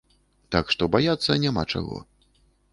Так што, баяцца няма чаго.